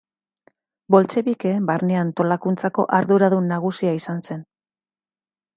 Boltxebikeen barne-antolakuntzako arduradun nagusia izan zen.